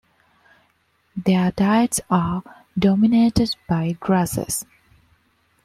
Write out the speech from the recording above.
Their diets are dominated by grasses.